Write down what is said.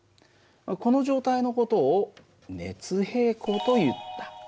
この状態の事を熱平衡というんだ。